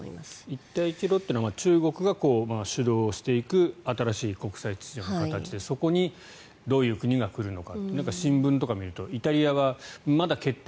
一帯一路っていうのは中国が主導していく新しい国際秩序の形でそこにどういう国が来るのか。